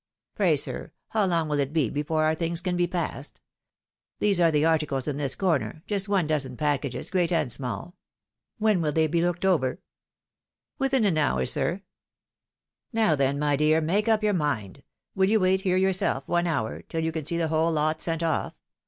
Pray, sir, how long will it be before our ihiags can be passed ? These are the articles in this corner — just one dozen j)ackages, great and small. When wiU they be looked over ?"" Within an hour, sir." " Now, then, my dear, make up your mind. WiU you wait here yourself one hour, till you can see the whole lot sent off?